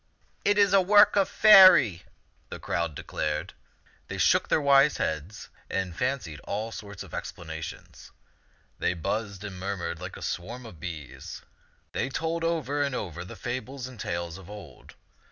" It is a work of Faerie," the crowd declared. They shook their wise heads and fancied all sorts of expla nations. They buzzed and murmured like a swarm of bees. They told over and over the fables and tales of old.